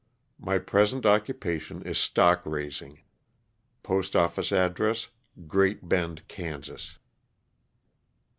My present occupation is stock raising. PostofFice address. Great Bend, Kansas.